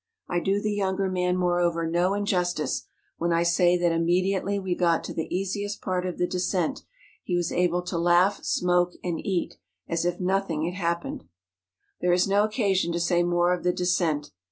I do the younger man, moreover, no injustice when I say that imme¬ diately we got to the easy part of the descent he was able to laugh, smoke, and eat, as if nothing had happened. There is no occasion to say more of the descent.